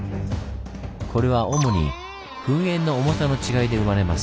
これは主に噴煙の重さの違いで生まれます。